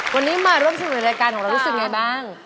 วันนี้มาร่วมใส่รายการของเรารู้สึกอย่างไงบ้าง